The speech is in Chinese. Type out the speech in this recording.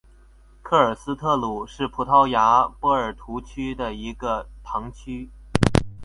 克里斯特卢是葡萄牙波尔图区的一个堂区。